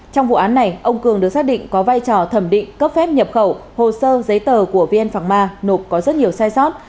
trong vụ án này ông cường được xác định có vai trò thẩm định cấp phép nhập khẩu hồ sơ giấy tờ của vn phạng ma nộp có rất nhiều sai sót